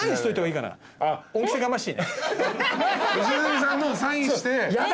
良純さんのサインして。